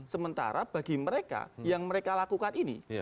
sementara bagi mereka yang mereka lakukan ini